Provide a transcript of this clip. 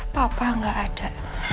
papa gak ada